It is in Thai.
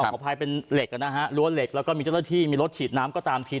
ขออภัยเป็นเหล็กนะฮะรั้วเหล็กแล้วก็มีเจ้าหน้าที่มีรถฉีดน้ำก็ตามที